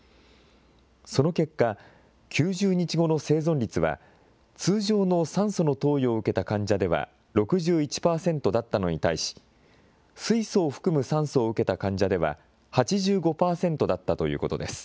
その結果、９０日後の生存率は、通常の酸素の投与を受けた患者では６１％だったのに対し、水素を含む酸素を受けた患者では８５％だったということです。